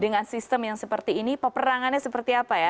dengan sistem yang seperti ini peperangannya seperti apa ya